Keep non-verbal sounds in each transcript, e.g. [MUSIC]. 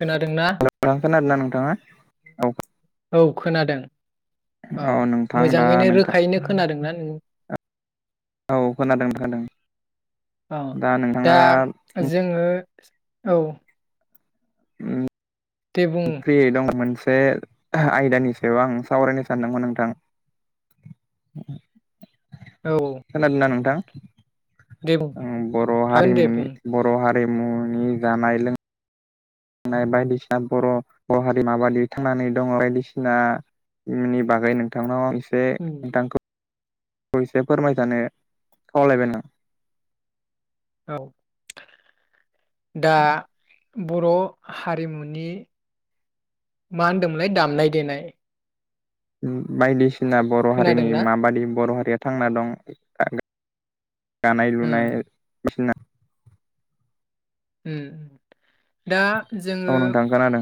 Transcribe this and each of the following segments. खोनादोंना खोनादों ना नोंथाङा औ। औ खोनादों औ। नोंथां दा मोजाङैनो नोंथां रोखायैनो खोनादों ना नों औ खोनादों खोनादों औ। दा जोङो औ। दे बुं ओम फ्रियै दं। मोन [UNINTELLIGIBLE] आयदानि सायाव आं सावरायनो सानदोंमोन नोंथां। औ औ खोनादों ना नोंथां? दे बुं ओ बर' हागोन दे बुं हारिमुनि बर' हारिमुनि जानाय लों नाय बायदिसिना बर' बर' हारिमा बादि थांनानै दङ' बायदिसिना नि बागै नोंथांनाव आं एसे उम नोंथांखौ एसे फोरमायजानो खावलायबाय नों औ। दा बर' हारिमुनि मा होनदोंमोनलाय? दामनाय देनाय। उम बायदिसिना बर' हारिनि खोनादोंना माबादि बर' हारिया थांना दं [UNINTELLIGIBLE] दानाय ओ लुनाय [UNINTELLIGIBLE] उम दा औ जोङो नोंथां खोनादों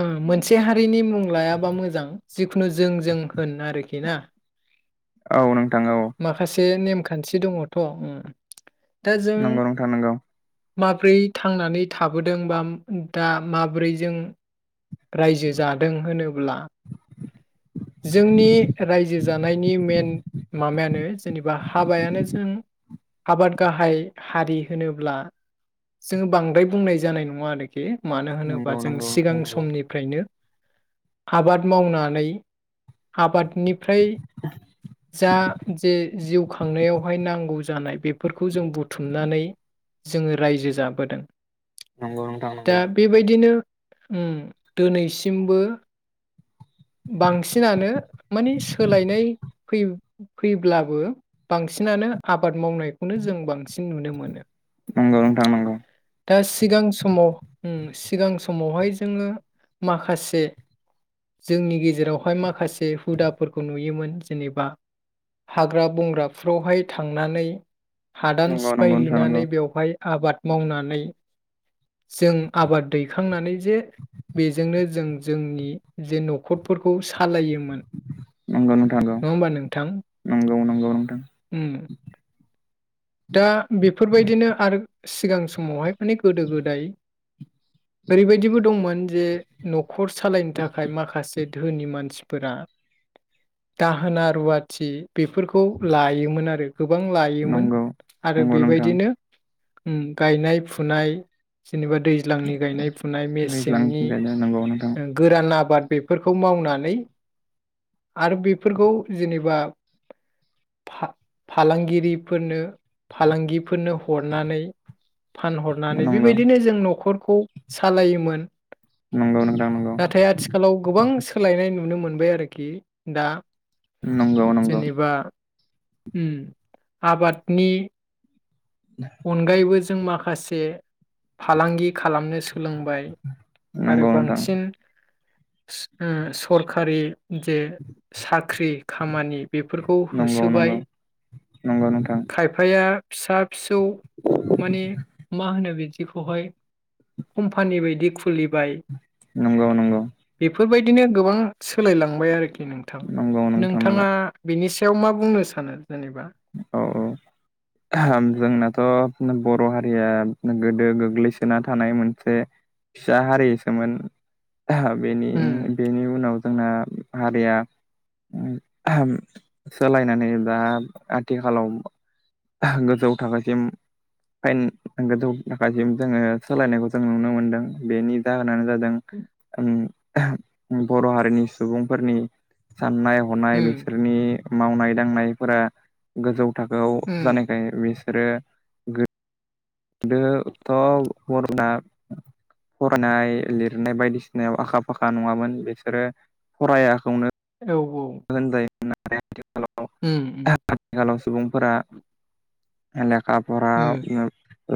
ओ मोनसे हारिनि मुं लायाबा मोजां। जिखुनु जों जों होन आरोखि ना औ नोंथां औ। बे नेमखान्थि दङथ' उम। दा जों नंगौ नोंथां नोंगौ। माब्रै थांनानै थाबोदों बा दा माबोरै जों रायजो जादों होनोब्ला जोंनि रायजो जानायनि मेन माबायानो जेने बा हाबायानो जों आबाद गाहाय हारि होनोब्ला जोङो बांद्राय बुंनाय जानाय नङा आरोखि। मानो होनोबा नंगौ जों नंगौ सिगां स मनिफ्रायनो आबाद मावनानै आबादनिफ्राय जा जे जिउ खांनायावहाय नांगौ जानाय बेफोरखौ जों बुथुमनानै जोङो रायजो जाबोदों। नोंथां दा बेबायदिनो उम दोनैसिमबो [INAUDIBLE] बांसिनानो मानि सोलायनाय फै-फैब्लाबो बांसिनानो आ बाद मावनायखौनो जों बांसिन नुनो मोनो। नंगौ नंगौ नोंथां दा सिगां समाव उम सिगां समावहाय जोङो माखासे जोंनि गेजेरावहाय माखासे बे हुदाफोरखौ नुयोमोन। जेनेबा हाग्रा बंग्राफ्रावहाय थांनानै हादान नंगौ नंगौ नोंथां सिफायहैैनानै बेवहाय आबाद मावनानै जों आबाद दैखांनानै जे बेजोंनो जों जोंनि जे न'खरफोरखौ सालायोमोन। नंगौ नङा होमबा नोंथां? नंगौ नंगौ नोंथां उम। दा बेफोरबायदिनो आरो सिगां समावहाय माने गोदो गोदाय ओरैबायदिबो दंमोन जे न'खर सालायनो थाखाय माखासे धोनि मानसिफोरा दाहोना रुवाथि बेफोरखौ लायोमोन आरो गोबां लायोमोन नंगौ आरो नंगौ नोंथां नंगौ नोंथां नंगौ नोंथां बेबायदिनो उम गायनाय फुनाय जेनेबा दैज्लांनि गायनाय फुनाय दैज्लां मेसेंनि नंगौ नोंथां गोरान आबाद बेफोरखौ मावनानै आरो बेफोरखौ जेनेबा फालांगिरिफोरनो फालांगिफोरनो हरनानै फानहरनानै नंगौ बेबायदिनो जों न'खरखौ सालायोमोन नंगौ नोंथां नाथाय आथिखालाव गोबां सोलायनाय नुनो मोनबाय आरोखि दा नंगौ नंगौ उ आबादनि अनगायैबो जों माखासे फालांगि खालामनो सो सोलोंबाय आरो नंगौ नंगौ नोंथां बांसिन ओ सरखारि जे साख्रि खामानि बेफोरखौ नंगौ होसोबाय नंगौ नंगौ नोंथां खायफाया फिसा फिसौ माने मा होनो बिदि बिदिखौहाय खमपानि बायदि खुलिबाय नंगौ नंगौ बेफोरबादि बिदिनो गोबां सोलायलांबाय आरोखि नोंथां नंगौ नोंथां नंगौ नोंथाङा बिनि सायाव मा बुंनो सानो जेनेबा औ औ आहाम जोंनाथ' बर' हारिया गोदो गोग्लैसोना थानाय मोनसे फिसा हारिसोमोन बेनि उम बेनि उनाव जोंना हारिया सोलायनानै दा आथिखालाव गोजौ थाखोसिम। फाइन गोजौ थाखसिम जोङो सोलायनायखौ जों नुनो मोनदों बेनि दा नानो जादों ओम बर' हारिनि सुबुंफोरनि साननाय हनाय उम बिसोरनि मावनाय दांनायफोरा गोजौ थाखोआव उम जानायखाय बिसोरो गोदोथ' बर'ना फरायनाय लिरनाय बायदिसिनायाव आखा फाखा नङामोन बिसोरो फरायाखौनो औ औ [UNINTELLIGIBLE] खा उम उम फरा उम उ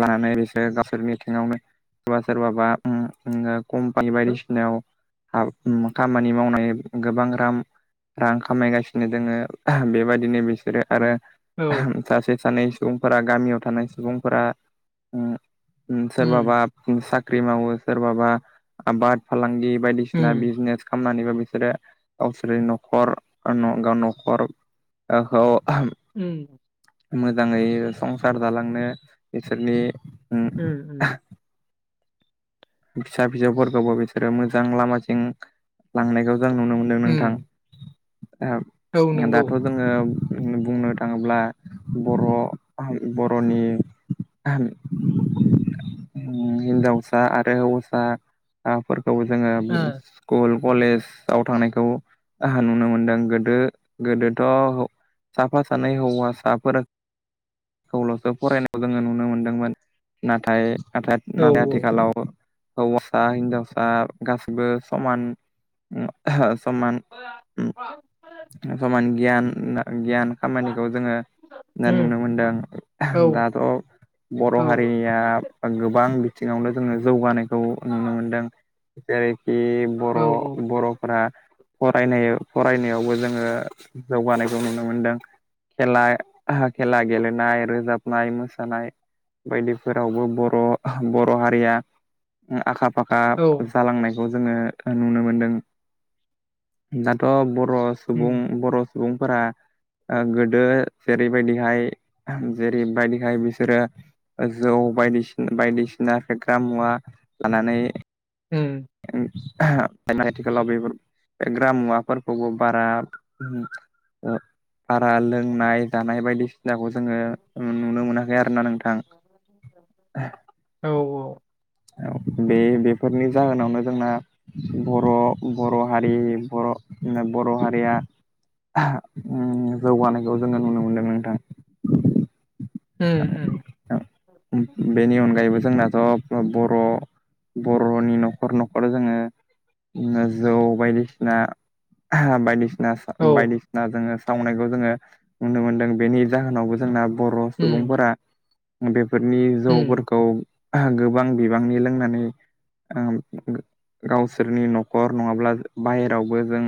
लानानै बिसोरो गावसोरनिथिङावनो सोरबा सोरबाबा उम उम कम्पानि बायदिसिनायाव हाब खामानि मावनाय गोबां राम रां खामायगासिनो दोङो बेबायदिनो बिसोरो आरो औ सासे सानै सुबुंफोरा गामियाव थानाय सुबुंफोरा उम सोरबाबा सा ख्रि मावो सोरबा आबाद फालांगि बायदिसिना उम बिजनेस खामनानै बिसोरो गावसोरनि न'खर गाव न'खरखौ उम मोजाङै संसार जालांनो बिसोरनि उम उ उ फिसा फिसौफोरखौबो बिसोरो मोजां लामाथिं लांनायखौ जों नुनो मोनदों नोंथां उम औ ओ नंगौ दाथ' जोङो बुंनो थाङोब्ला बर' बर'नि उम हिनजावसा आर हौवासा माबाफोरखौबो जोङो ओ स्कुल कलेजआव थांनायखौ आहा नुनो मोनदों गोदो गोदोथ' साफा सानै हौवासाफोर खौल'सो फरायनायाव जोङो नुनो मोनदोंमोन नाथाय नाथाय औ नाथाय आथिखालाव हौवासा हिनजावसा गासैबो समान समान, औ समान गियान, गियान खामानिखौ जोङो दा नुनो उम मोनदों औ दाथ' बर' औ हारिया गोबां बिथिङावनो जोङो जौगानायखौ नुनो मोनदों जेरै बि औ बर' औ बर'फोरा फरायनाय फरायनायावबो जोङो जौगानायखौ नुनो मोनदों। खेला- खेला गेलेनाय रोजाबनाय मोसानाय बायदिफोरावबो बर' बर' हारिया ओ आखा फाखा औ जालांनाय खौ जोङो नुनो मोनदों दाथ' बर' सुबुं उम बर' सुबुंफोरा ओ गोदो जेरैबायदिहाय जेरैबायदिहाय बिसोरो जौ बायदिसिन बायदिसिना फेग्रा मुवा लानानै उम आथिखालाव बेफोर फेग्रामुवाफोरखौबो बारा ओ बारा लोंनाय जानाय बायदिसिनाखौ जोङो नुनो मोनाखै आरोना नों औ औ औ बे बेफोरनि जाहोनावनो जोंना बर' बर' हारि बर' बर' हारिया उम जौगानायखौ जोङो नुनो मोनदों नोंथां। उम उम बेनि अनगायैबो जोंनाथ' बर' बर'नि न'खर न'खर जोङो जौ बायदिसिना बायदिसिना औ बायदिसिना जोङो मावनायखौ जोङो नुनो मोनदों बेनि जाहोनावबो जोंना बर' उम सुबुंफोरा बे फोरनि उम जौफोरखौ गोबां बिबांनि लोंनानै ओ गावसोरनि न'खर नङाब्ला बाहेरावबो जों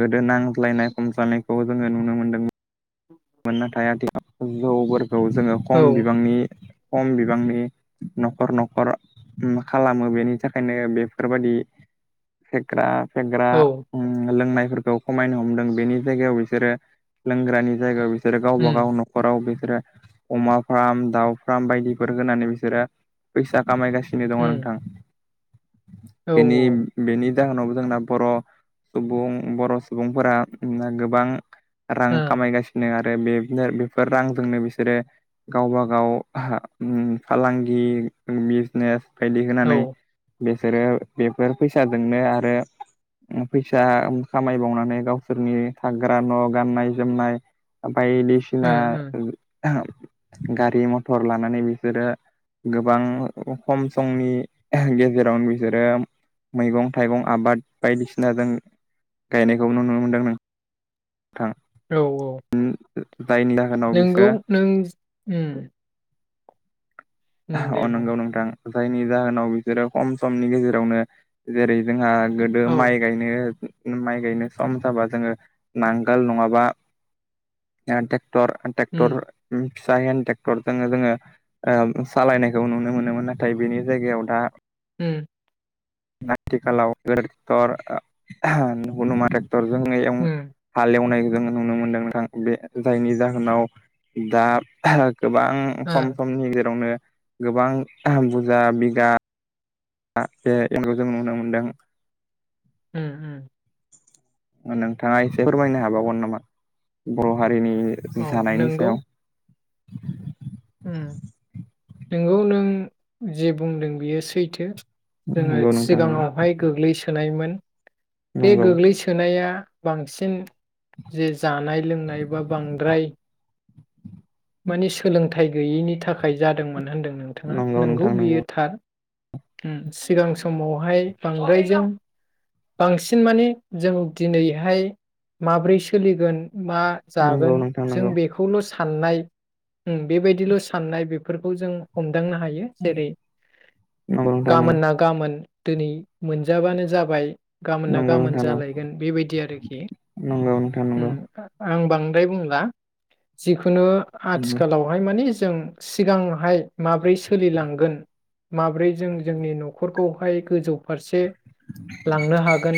गोदो नांज्लायनाय खमज्लायनायखौ जोङो नुनो मोनदों मोन नाथाय आथिखालाव जौफोरखौ जोङो खम बिबांनि खम बिबांनि न'खर न'खर खालामो बेनि थाखायनो बेफोरबादि फेग्रा फेग्रा औ उम लोंनायफोरखौ खमायनो हमदों बेनि जायगायाव बिसोरो लोंग्रानि जायगा बिसोरो गावबा उम गाव न'खराव बिसो रो अमा फार्म दाउ फार्म बायदिफोर होनानै बिसोरो फैसा खामायगासिनो दङ उम नोंथां औ बेनि -बेनि जाहोनाव जोंना बर' सुबुं बर' सुबुंफोरा गोबां रां औ ओ खामायगासि आरो बेफोर रांजोंनो बिसोरो गावबा गाव उम फालांगि बि-बिजनेस बायदि होनानै औ बेसोरो बेफोर फैसाजोंनो आरो फैसा खामायबावनानै गावसोरनि थाग्रा न' गाननाय जोमनाय बायदिसिना उम उम गारि मथर लानानै बिसोरो गोबां खम समनि गेजेरावनो बिसोरो मैगं थाइगं आबाद बायदिसिना जों गायनायखौ नुनो मोनदों नों औ औ जायनि जाहोनाव नोंगौ बिसोरो नों उम उम अ दे बुं नंगौ नोंथां। जायनि जाहोनाव बिसोरो खम समनि गेजेरावनो जेरै जोंहा गोदो औ माइ गायनो माइ गायनो सम जाबा जोङो नांगोल नङाबा हेनटेक्टर टेक्टर उम उम फिसा हेन्द ट्रेक्टरजोंनो जोङो ओ सालायनायखौ नुनो मोनो नाथाय बेनि जायगायाव दा उम आथिखालाव [UNINTELLIGIBLE] टेक्टरजों एल उम हाल एवनाय जोङो नुनो मोनदों नोंथां बे जायनि जाहोनाव दा गोबां ओ खम समनि गेजेरावनो गोबां बुजा बिगा दा [UNINTELLIGIBLE] एनखौ जों नुनो मोनदों। उम-उम नोंथाङा एसे फोरमायनो हाबावगोन नामा बर' हारि जैनि औ जानायनि नोंगौ सायाव उम नोंगौ नों जेबुंदों बेयो सैथो जोङो नंगौ नोंथां नंगौ सिगांआवहाय गोग्लैसोनायमोन बे नंगौ गोग्लैसोनाया बांसिन जे जानाय लोंनाय बा बांद्राय माने सोलोंथाइ गैयिनि थाखाय जादोंमोन होनदों नोंथाङा नंगौ बियो थार। उम सिगां समावहाय बांद्रायजों बांसिन माने जों दिनैहाय माब्रै सोलिगोन मा नंगौ जागोन नोंथां जों नंगौ बेखौल' साननाय उम बेबायदिल' साननाय बेफोरखौ जों हम दांनो हायो जेरै नंगौ नोंथां गामोन ना गामोन दिनै मोनजाबानो जाबाय गाबोन ना नंगौ नंगौ गाबोन नोंथां नंगौ जालायगोन बेबायदि आरोखि आं बांद्राय बुंला जिखुनु नंगौ सिगांहाय माब्रै सोलिलांगोन माब्रै जों जोंनि न'खरखौहाय गोजौ फारसे लांनो हागोन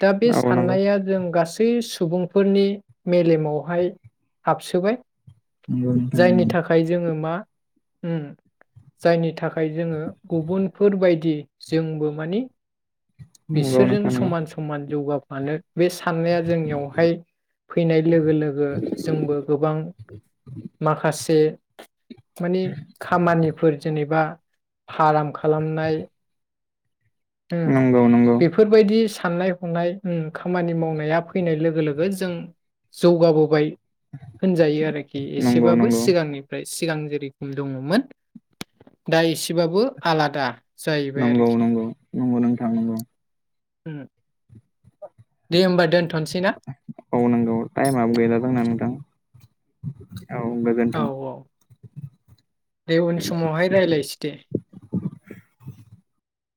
दा बे साननाया जों गास [UNINTELLIGIBLE] सुबुंफोरनि मेलेमावहाय हाबसोबाय जायनि नोंथां थाखाय जोङो मा उम जायनि थाखाय जोङो गुबुनफोर बायायदि जोंबो मानि बिसोरजों समान समान जौगाफानो बे साननाया जोंनियावहाय फैनाय लोगो लोगो जोंबो गोबां माखासे मानि खामानिफोर जेनेबा फाराम खालामनाय उम नंगौ नंगौ बेफोरबायदि साननाय हनाय उम खामानि मावनाया फैनाय लोगो लोगो जों जौगाबोबाय होनजायो आरोखि औ नंगौ नोंथां नंगौ नोंथां नंगौ एसेबाबो सिगांनिफ्राय सिगां जेरै खम दङमोन दा एसेबाबो आलादा नंगौ जायैबाय आरोखि नंगौ नंगौ नोंथां नंगौ उम दे होमबा दोनथ'नोसै ना औ नंगौ टाइमाबो गैला जोंना नोंथां [INAUDIBLE] औ गोजोन्थों औ दे उन समावहाय रायलायसै दे [INAUDIBLE]